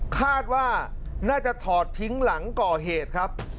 คาดว่าน่าจะถอดทิ้งหลังก่อเหตุครับ